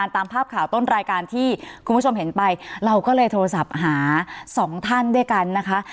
ตามภาพข่าวต้นรายการที่คุณผู้ชมเห็นไปเราก็เลยโทรศัพท์หาสองท่านด้วยกันนะคะ